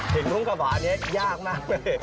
เห็นหุ้งกระบาดนี้ยากมากเลย